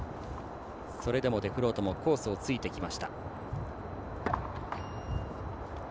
それでもデフロートもコースをついてきました。